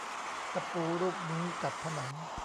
ตะปูรูปนี้กับผนัง